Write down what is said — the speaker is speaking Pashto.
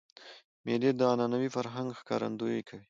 مېلې د عنعنوي فرهنګ ښکارندویي کوي.